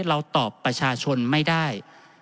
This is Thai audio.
เราตอบประชาชนไม่ได้